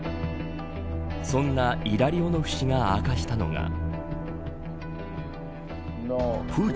そんなイラリオノフ氏が明かしたのが。